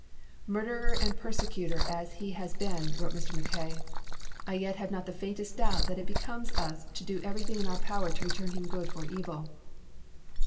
" Murderer and persecutor as he has been," wrote Mr. Mackay, "I yet have not the faintest doubt that it becomes us to do everything in our power to return him good for evil."